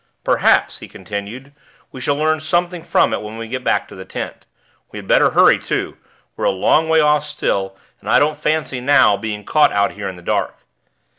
"Perhaps," he continued, "we shall learn something from it when we get back to the tent. We had better hurry, too; we're a long way off still, and I don't fancy, now, being caught out here in the dark."